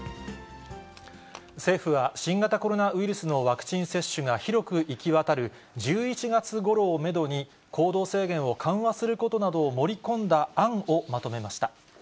政府は新型コロナウイルスのワクチン接種が広く行き渡る１１月ごろをメドに、行動制限を緩和することなどを盛り込んだ案をまとめました。